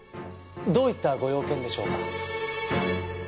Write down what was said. どういったご用件でしょうか？